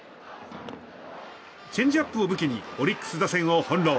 チェンジアップを武器にオリックス打線を翻弄。